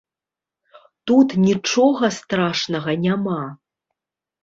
Тут нічога страшнага няма.